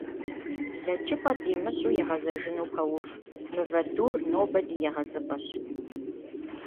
Блэкӏыпӏэ димыщӏу игъэзэжыну пэув, мывэ дур нобэ ди егъэзыпӏэщ.